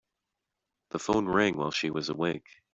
The phone rang while she was awake.